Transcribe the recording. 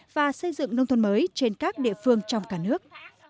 và xây dựng nông thôn mới trên các địa phương trong cả nước